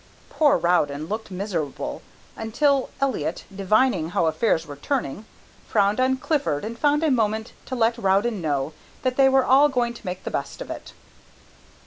Poor Rowden looked miserable until Elliott, divining how affairs were turning, frowned on Clifford and found a moment to let Rowden know that they were all going to make the best of it.